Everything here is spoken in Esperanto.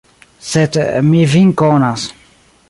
Sed vi min konas.